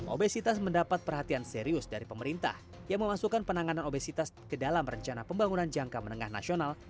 obesitas mendapat perhatian serius dari pemerintah yang memasukkan penanganan obesitas ke dalam rencana pembangunan jangka menengah nasional